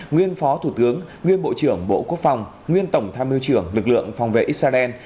nguyên phó thủ tướng nguyên bộ trưởng bộ quốc phòng nguyên tổng tham mưu trưởng lực lượng phòng vệ israel